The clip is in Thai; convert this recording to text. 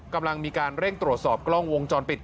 กำลังมีการเร่งตรวจสอบกล้องวงจรปิด